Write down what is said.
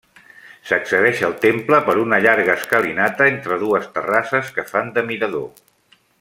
S'accedeix al temple per una llarga escalinata entre dues terrasses que fan de mirador.